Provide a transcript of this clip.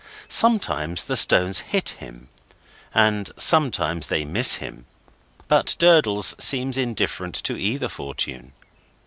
Sometimes the stones hit him, and sometimes they miss him, but Durdles seems indifferent to either fortune.